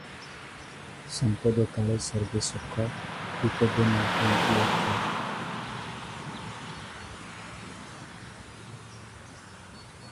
Additionally, there is confusion as to what exactly constitutes infidelity.